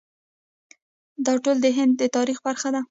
دا ټول د هند د تاریخ برخه ده.